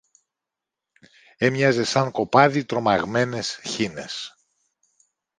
έμοιαζε σαν κοπάδι τρομαγμένες χήνες.